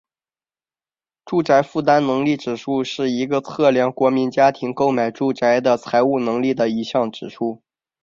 住宅负担能力指数是一个测量国民家庭购买住宅的财务能力的一项指数。